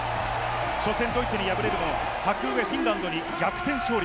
初戦ドイツに敗れるも格上フィンランドに逆転勝利。